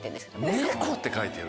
「ねこ」って書いてる。